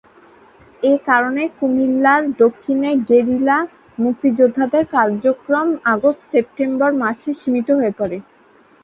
এ কারণে কুমিল্লার দক্ষিণে গেরিলা মুক্তিযোদ্ধাদের কার্যক্রম আগস্ট-সেপ্টেম্বর মাসে সীমিত হয়ে পড়ে।